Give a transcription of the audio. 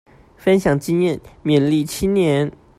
分享經驗勉勵青年